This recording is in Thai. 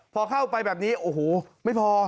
พอเข้าไปแบบนี้โอ้โหไม่พอ